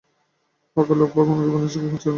প্রকার লোক ভগবানকে মানুষরূপে উপাসনা করে না।